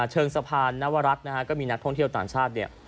เชิงสะพานนวรัฐนะฮะก็มีนักท่องเที่ยวต่างชาติเนี่ย